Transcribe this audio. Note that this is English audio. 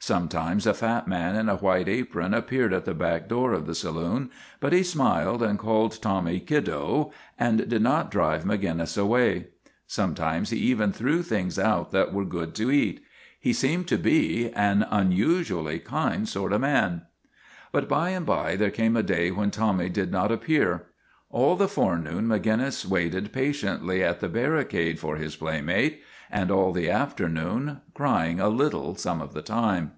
Sometimes a fat man in a white apron appeared at the back door of the saloon, but he smiled and called Tommy " kiddo," and did not drive Maginnis away. Sometimes he even threw things out that were good 60 MAGINNIS to eat. He seemed to be an unusually kind sort of man. But by and by there came a day when Tommy did not appear. All the forenoon Maginnis waited pa tiently at the barricade for his playmate, and all the afternoon, crying a little some of the time.